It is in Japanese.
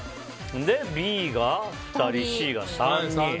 Ｂが２人、Ｃが３人。